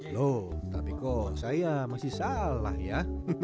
loh tapi kok saya masih salah ya